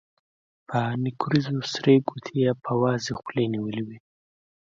په نکريزو سرې ګوتې يې په وازې خولې نيولې وې.